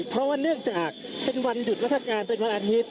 เพราะว่าเนื่องจากเป็นวันหยุดราชการเป็นวันอาทิตย์